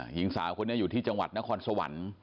หญิงสาวคนนี้อยู่ที่จังหวัดนครสวรรค์